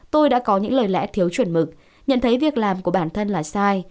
tôi đã có những lời lẽ thiếu chuẩn mực nhận thấy việc làm của bản thân là sai